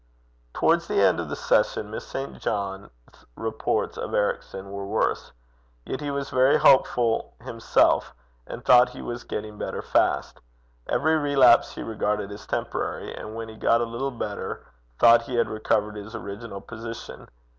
Towards the end of the session Miss St. John's reports of Ericson were worse. Yet he was very hopeful himself, and thought he was getting better fast. Every relapse he regarded as temporary; and when he got a little better, thought he had recovered his original position.